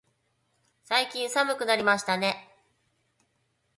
最近寒くなりましたね。